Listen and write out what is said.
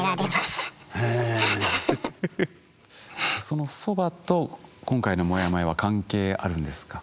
そのそばと今回のモヤモヤは関係あるんですか？